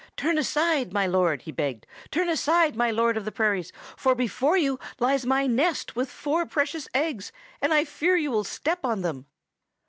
'Turn aside, my Lord!' he begged. 'Turn aside, my Lord of the Prairies, for before you lies my nest with four precious eggs, and I fear you will step on them!'